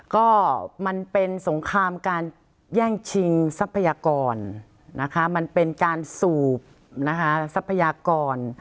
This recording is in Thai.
ก็มันเป็นสงครามการแย่งชิงทรัพยากรนะคะมันเป็นการสูบนะคะทรัพยากร